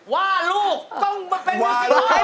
ว่าลูกต้องมาเป็นลูกกิน